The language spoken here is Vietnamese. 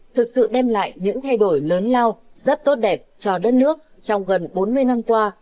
thực sự đem lại những thay đổi lớn lao rất tốt đẹp cho đất nước trong gần bốn mươi năm qua